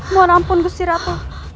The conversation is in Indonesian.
mohon ampun gusiratu